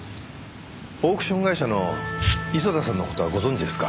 オークション会社の磯田さんの事はご存じですか？